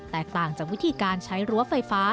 ต่างจากวิธีการใช้รั้วไฟฟ้า